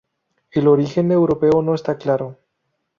El origen europeo no está claro.